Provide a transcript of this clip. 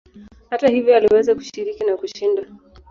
Hata hivyo aliweza kushiriki na kushinda.